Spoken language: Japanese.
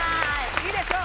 いいでしょう！